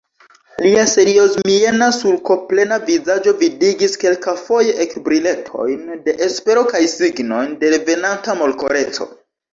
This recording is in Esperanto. Lia seriozmiena, sulkoplena vizaĝo vidigis kelkafoje ekbriletojn de espero kaj signojn de revenanta molkoreco.